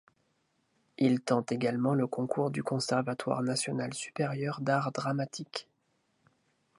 Il tente également le concours du Conservatoire national supérieur d'art dramatique.